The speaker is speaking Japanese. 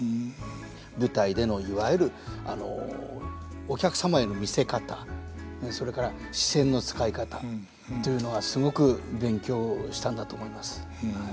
舞台でのいわゆるお客様への見せ方それから視線の使い方というのがすごく勉強したんだと思います。